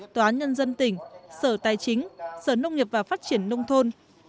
tòa án nhân dân tỉnh sở tài chính sở nông nghiệp và phát triển nông thôn